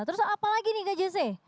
terus apalagi nih kak jose